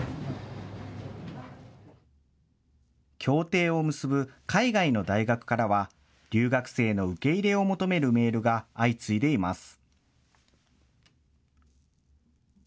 協定を結ぶ海外の大学からは、留学生の受け入れを求めるメールが相次いでいます。